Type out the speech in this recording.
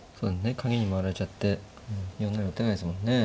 影に回られちゃって４七に打てないですもんね。